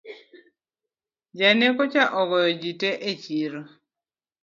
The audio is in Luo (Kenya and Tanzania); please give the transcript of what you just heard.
Janeko cha ogoyo jii e chiro